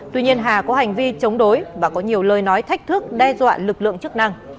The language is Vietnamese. tuy nhiên hà có hành vi chống đối và có nhiều lời nói thách thức đe dọa lực lượng chức năng